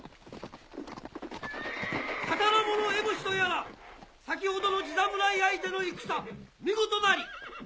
タタラ者エボシとやら先ほどの地侍相手の戦見事なり。